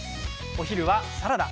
お昼はサラダ。